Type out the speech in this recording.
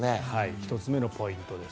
１つ目のポイントです。